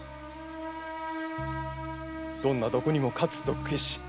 どんな毒にも勝つ毒消し。